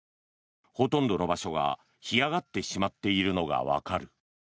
ほとんどの場所が干上がってしまっているのがわかる。